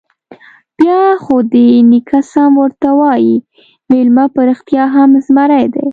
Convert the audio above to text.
_بيا خو دې نيکه سم ورته وايي، مېلمه په رښتيا هم زمری دی.